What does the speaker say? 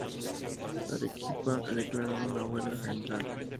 Arequipa declaró una huelga general.